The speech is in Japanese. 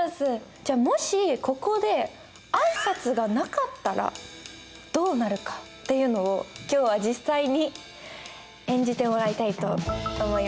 じゃもしここで挨拶がなかったらどうなるかっていうのを今日は実際に演じてもらいたいと思います。